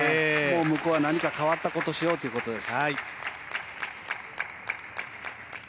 向こうは何か変わったことをしようということです。